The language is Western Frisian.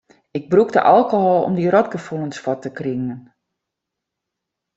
Ik brûkte alkohol om dy rotgefoelens fuort te kringen.